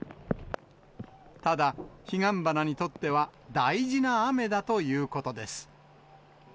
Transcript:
ただ、彼岸花にとっては、大事な雨だということです。